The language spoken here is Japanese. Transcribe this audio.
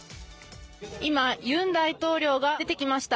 今、ユン大統領が出てきました。